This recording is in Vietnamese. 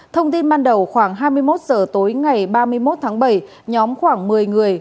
thông tin ban đầu khoảng hai mươi một h tối ngày ba mươi một tháng bảy nhóm khoảng một mươi người